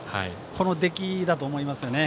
この出来だと思います。